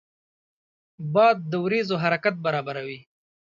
باد د وریځو حرکت برابروي